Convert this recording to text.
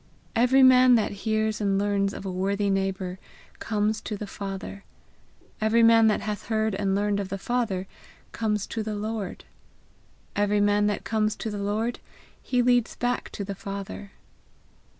Every man that hears and learns of a worthy neighbour, comes to the Father; every man that hath heard and learned of the Father comes to the Lord; every man that comes to the Lord, he leads back to the Father.